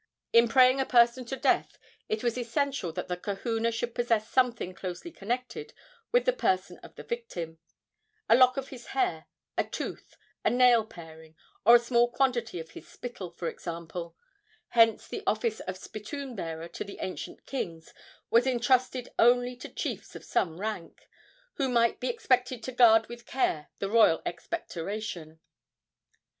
In praying a person to death it was essential that the kahuna should possess something closely connected with the person of the victim a lock of his hair, a tooth, a nail paring, or a small quantity of his spittle, for example; hence the office of spittoon bearer to the ancient kings was entrusted only to chiefs of some rank, who might be expected to guard with care the royal expectoration.